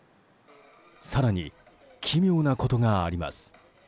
更に、奇妙なことがあります。